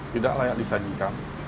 tidak layak disajikan